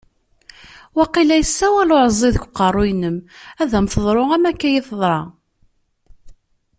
Waqila yessawal uɛeẓẓi deg uqerru-inem ad am-teḍru am akka i iyi-teḍra.